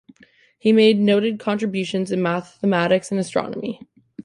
He made noted contributions in mathematics and astronomy.